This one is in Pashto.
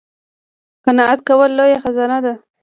قناعت کول لویه خزانه ده